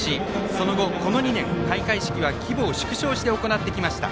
その後この２年、開会式は規模を縮小して行ってきました。